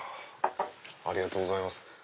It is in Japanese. ありがとうございます。